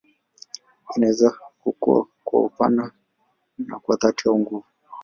Imani inaweza kukua kwa upana na kwa dhati au nguvu.